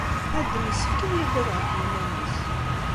Adem yessefk ad yagad ɣef yiman-is.